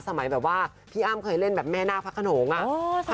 สมัยแบบว่าพี่อ้ำเคยเล่นแบบแม่นะภาครโหนงค่ะ